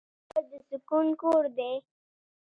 قبر د سکون کور دی.